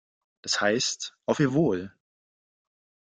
Das heißt: Auf Ihr Wohl!